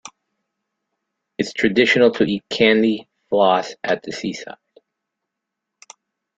It's traditional to eat candy floss at the seaside